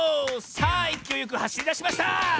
さあいきおいよくはしりだしました！